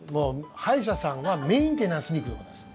歯医者さんはメンテナンスに行くところなんです。